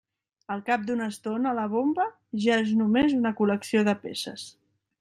Al cap d'una estona la bomba, ja és només una col·lecció de peces.